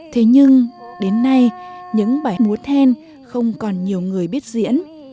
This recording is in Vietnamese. thế nhưng đến nay những bài múa then không còn nhiều người biết diễn